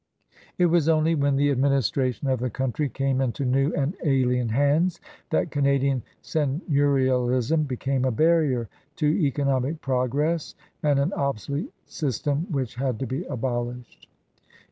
It was only when the administration 154 CRUSADERS OF NEW FRANCE of the country came into new and alien hands that Canadian seigneurialism became a barrier to economic progress and an obsolete system which had to be abolished.